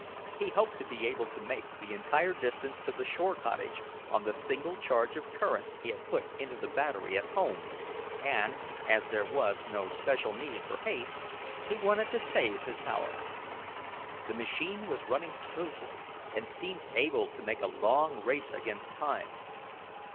He hoped to be able to make the entire distance to the shore cottage on the single charge of current he had put into the battery at home, and, as there was no special need for haste, he wanted to save his power. The machine was running smoothly, and seemed able to make a long race against time.